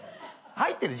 入ってる？